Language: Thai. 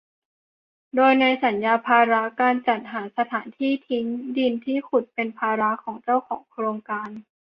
โดยในสัญญาภาระการจัดหาสถานที่ทิ้งดินที่ขุดเป็นภาระของเจ้าของโครงการ